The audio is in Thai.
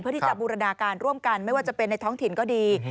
ที่จะบูรณาการร่วมกันไม่ว่าจะเป็นในท้องถิ่นก็ดี